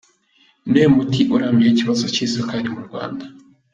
Ni uwuhe muti urambye w’ikibazo cy’isukari mu Rwanda ?.